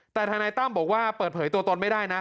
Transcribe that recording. แต่ทนายตั้มบอกว่าเปิดเผยตัวตนไม่ได้นะ